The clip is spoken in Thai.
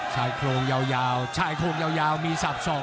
ชายโครงยาวมีซับซอก